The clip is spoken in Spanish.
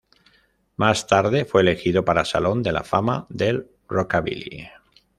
Más tarde fue elegido para Salón de la Fama del Rockabilly.